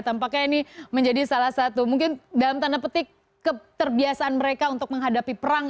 tampaknya ini menjadi salah satu mungkin dalam tanda petik keterbiasaan mereka untuk menghadapi perang